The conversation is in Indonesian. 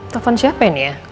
telepon siapa ini ya